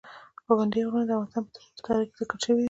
پابندي غرونه د افغانستان په اوږده تاریخ کې ذکر شوي دي.